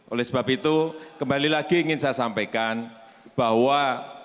oleh sebab itu kembali lagi ingin saya sampaikan bahwa